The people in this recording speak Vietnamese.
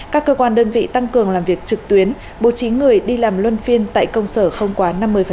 các cơ quan đơn vị tăng cường làm việc trực tuyến bố trí người đi làm luân phiên tại công sở không quá năm mươi